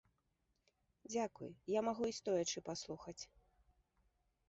Дзякуй, я магу і стоячы паслухаць.